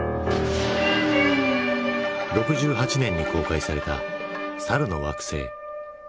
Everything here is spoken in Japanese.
６８年に公開された「猿の惑星」。